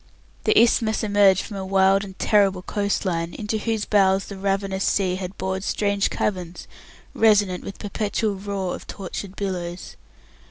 The isthmus emerged from a wild and terrible coast line, into whose bowels the ravenous sea had bored strange caverns, resonant with perpetual roar of tortured billows.